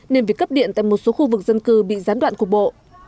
nên việc cấp điện tại một số khu vực dân cư bị gián đoạn cục bộ